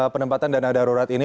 penempatan dana darurat ini